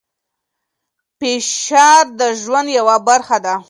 فشار د ژوند یوه برخه ده.